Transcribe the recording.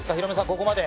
ここまで。